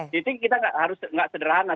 jadi kita harus nggak sederhana